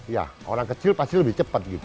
ya orang kecil pasti lebih cepat gitu